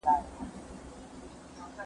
عوامو مجلس څنګه له مشرانو جرګي سره کار کوي؟